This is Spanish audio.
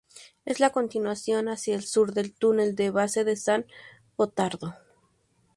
Es la continuación hacia el sur del Túnel de base San Gotardo.